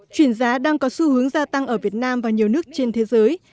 chuyển giá đang có xu hướng gia tăng ở việt nam và nhiều nước trên thế giới